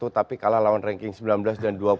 tapi kalah lawan ranking sembilan belas dan dua puluh